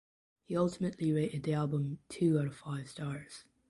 He ultimately rated the album two out of five stars.